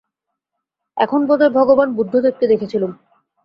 এখন বোধ হয়, ভগবান বুদ্ধদেবকে দেখেছিলুম।